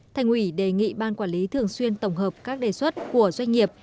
thành ủy đề nghị ban quản lý thường xuyên tổng hợp các đề xuất của doanh nghiệp